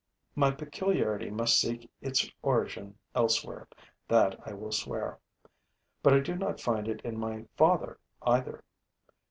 My peculiarity must seek its origin elsewhere: that I will swear. But I do not find it in my father, either.